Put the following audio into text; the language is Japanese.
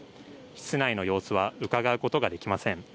室内の様子はうかがうことができません。